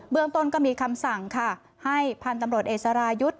เมืองต้นก็มีคำสั่งค่ะให้พันธุ์ตำรวจเอกสรายุทธ์